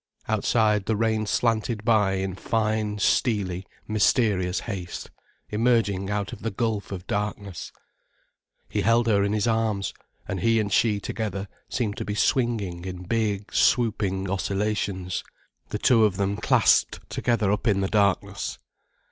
Outside, the rain slanted by in fine, steely, mysterious haste, emerging out of the gulf of darkness. He held her in his arms, and he and she together seemed to be swinging in big, swooping oscillations, the two of them clasped together up in the darkness.